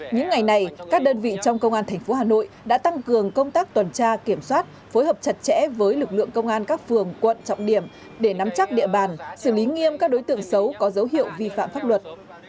những ngày này các đơn vị trong công an tp hà nội đã tăng cường công tác tuần tra kiểm soát phối hợp chặt chẽ với lực lượng công an các phường quận trọng điểm để nắm chắc địa bàn xử lý nghiêm các đối tượng xấu có dấu hiệu vi phạm pháp luật